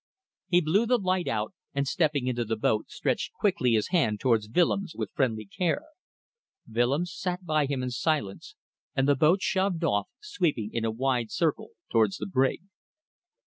He blew the light out, and, stepping into the boat, stretched quickly his hand towards Willems, with friendly care. Willems sat by him in silence, and the boat shoved off, sweeping in a wide circle towards the brig.